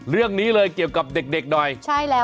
เรื่องนี้เลยเกี่ยวกับเด็กเด็กหน่อยใช่แล้ว